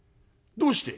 「どうして？」。